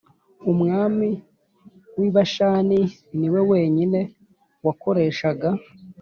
Umwami w i bashani ni we wenyine wakoreshaga